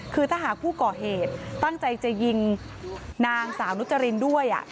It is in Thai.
คือถ้าหากผู้ก่อเหตุตั้งใจจะยิงนางสาวนุจรินด้วย